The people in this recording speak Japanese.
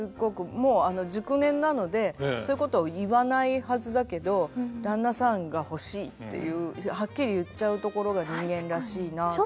もう熟年なのでそういうこと言わないはずだけど「旦那さんが欲しい」って言うはっきり言っちゃうところが人間らしいなと。